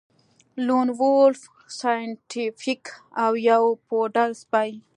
لون وولف سایینټیفیک او یو پوډل سپی